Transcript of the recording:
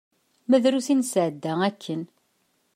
Ma drus i nesɛedda akken.